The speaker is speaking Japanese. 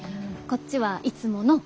こっちはいつもの。